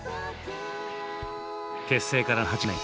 結成から８年。